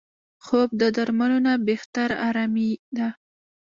خوب د درملو نه بهتره آرامي ده